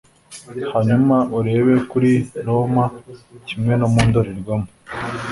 hanyuma urebe kuri Roma kimwe no mu ndorerwamo